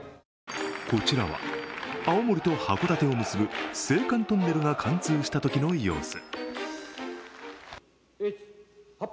こちらは、青森と函館を結ぶ青函トンネルが貫通したときの様子。